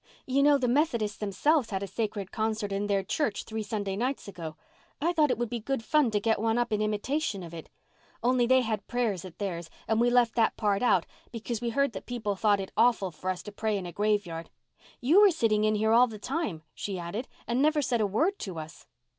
"You know the Methodists themselves had a sacred concert in their church three Sunday nights ago. I thought it would be good fun to get one up in imitation of it. Only they had prayers at theirs, and we left that part out, because we heard that people thought it awful for us to pray in a graveyard. You were sitting in here all the time," she added, "and never said a word to us."